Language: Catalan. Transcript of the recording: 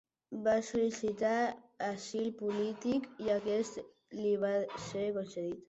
Va sol·licitar asil polític i aquest li va ser concedit.